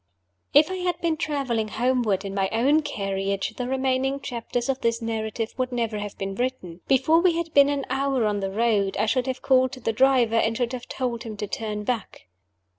IF I had been traveling homeward in my own carriage, the remaining chapters of this narrative would never have been written. Before we had been an hour on the road I should have called to the driver, and should have told him to turn back.